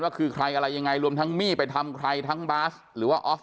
ว่าคือใครอะไรยังไงรวมทั้งมี่ไปทำใครทั้งบาสหรือว่าออฟ